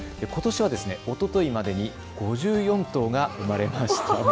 ことしはおとといまでに５４頭が生まれました。